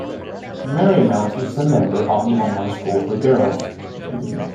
Marymount is a member of the Online School for Girls.